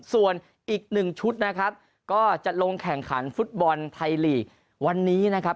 ส่วนอีกหนึ่งชุดนะครับก็จะลงแข่งขันฟุตบอลไทยลีกวันนี้นะครับ